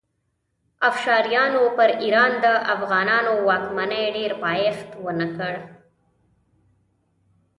افشاریانو پر ایران د افغانانو واکمنۍ ډېر پایښت ونه کړ.